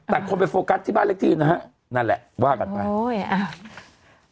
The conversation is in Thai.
แต่คนไปโฟกัสที่บ้านเลขที่นะฮะนั่นแหละว่ากันไปโอ้ยอ่า